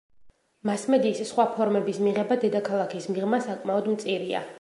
მასმედიის სხვა ფორმების მიღება დედაქალაქის მიღმა საკმაოდ მწირია.